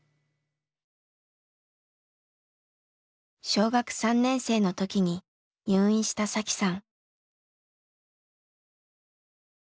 小学３年生の時に入院した紗輝さん。